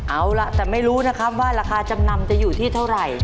เอาล่ะแต่ไม่รู้นะครับว่าราคาจำนำจะอยู่ที่เท่าไหร่